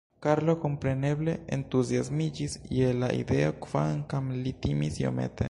Karlo kompreneble entuziasmiĝis je la ideo, kvankam li timis iomete.